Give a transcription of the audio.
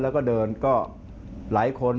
แล้วก็เดินก็หลายคน